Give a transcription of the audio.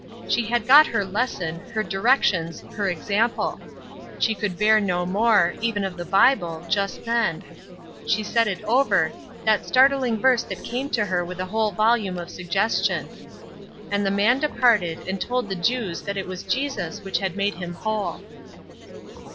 She had got her lesson, her directions, her example. She could bear no more, even of the Bible, just then. She said it over, that startling verse that came to her with a whole volume of suggestion: "'_And the man departed and told the Jews that it was Jesus which had made him whole.